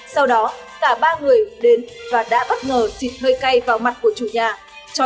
sau đó cả ba người đến và đã bất ngờ xịt hơi cay vào mặt của chủ nhà